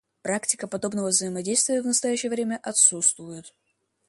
Практика подобного взаимодействия в настоящее время отсутствует.